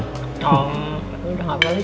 oh udah ngapain lagi